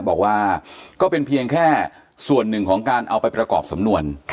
บอกว่าก็เป็นเพียงแค่ส่วนหนึ่งของการเอาไปประกอบสำนวน